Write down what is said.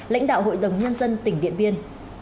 lãnh đạo hội đồng nhân dân tỉnh điện biên